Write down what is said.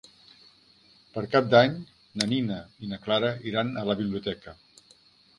Per Cap d'Any na Nina i na Clara iran a la biblioteca.